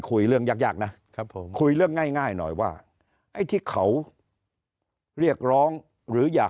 คุยเรื่องยากยากนะครับผมคุยเรื่องง่ายหน่อยว่าไอ้ที่เขาเรียกร้องหรืออยาก